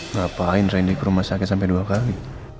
ngapain rendy ke rumah sakit sampai dua kali